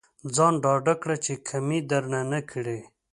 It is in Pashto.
ځان ډاډه کړه چې کمې درنه نه کړي.